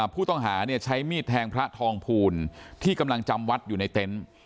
ผู้ต้องหาใช้มีดแทงพระทองภูลที่กำลังจำวัดอยู่ในเต็นต์